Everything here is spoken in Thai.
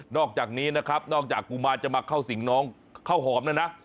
อกจากนี้นะครับนอกจากกุมารจะมาเข้าสิ่งน้องข้าวหอมแล้วนะ